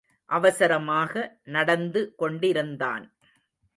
அவசரமாக நடந்து கொண்டிருந்தான்.